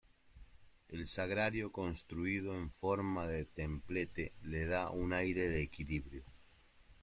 El sagrario construido en forma de templete le da un aire de equilibrio.